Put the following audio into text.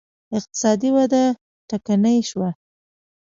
اقتصادي وده ټکنۍ شوه